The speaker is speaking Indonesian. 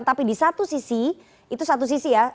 tapi di satu sisi itu satu sisi ya